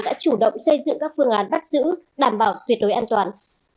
đã chủ động xây dựng các phương án bắt giữ đảm bảo tuyệt đối an toàn